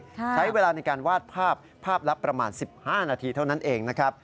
ใช้เวลาในการวาดภาพภาพละประมาณ๑๕นาทีเท่านั้นเองนะครับ